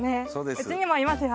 うちにもいますよ